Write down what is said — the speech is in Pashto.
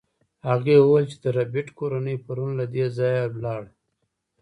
هغې وویل چې د ربیټ کورنۍ پرون له دې ځایه لاړه